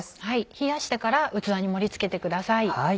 冷やしてから器に盛り付けてください。